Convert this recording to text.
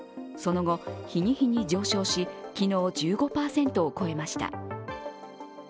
その後、日に日に上昇し、昨日１５％を超えました。